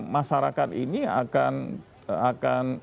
masyarakat ini akan